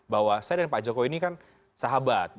bahwa saya dan pak jokowi ini kan sahabat